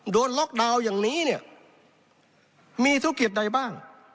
โดนล็อกดาวน์อย่างนี้เนี่ยมีธุรกิจใดบ้าง